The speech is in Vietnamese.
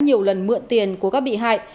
nhiều lần mượn tiền của các bị hại